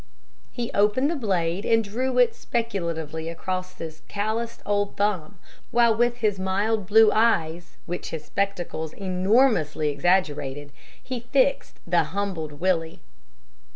He opened the blade and drew it speculatively across his calloused old thumb, while with his mild blue eyes, which his spectacles enormously exaggerated, he fixed the humbled Willie.